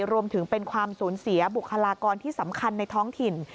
รวมถึงเป็นความสูญเสียบุคลากรที่สำคัญในท้องถิ่น